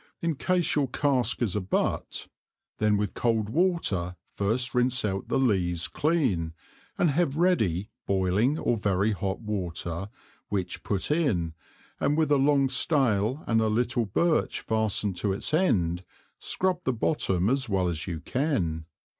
In Case your Cask is a Butt, then with cold Water first rince out the Lees clean, and have ready, boiling or very hot Water, which put in, and with a long Stale and a little Birch fastened to its End, scrub the Bottom as well as you can.